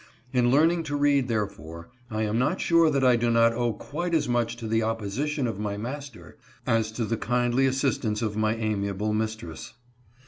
In learning to read, therefore, I am not sure that I do not owe quite as much to the opposition of my mas ter as to the kindly assistance of my amiable mistress.